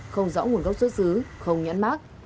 không rõ nguồn gốc xuất xứ không nhãn mát